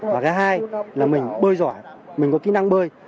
và thứ hai là mình bơi giỏi mình có kỹ năng bơi